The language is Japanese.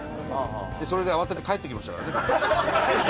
それで慌てて帰ってきましたからね。